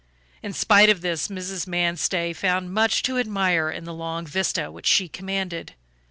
In spite of this Mrs. Manstey found much to admire in the long vista which she commanded.